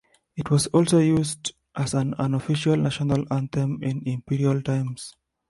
It was also used as an unofficial national anthem in imperial times.